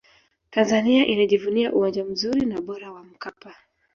tanzania inajivunia uwanja mzuri na bora wa mkapa